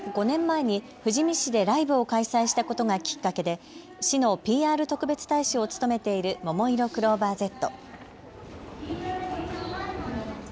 ５年前に富士見市でライブを開催したことがきっかけで市のＰＲ特別大使を務めているももいろクローバーＺ。